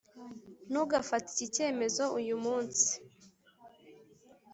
ntugafate iki cyemezo uyu munsi.